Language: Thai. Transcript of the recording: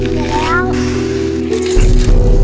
แม่หลัง